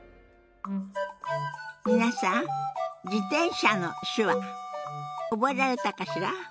皆さん「自転車」の手話覚えられたかしら？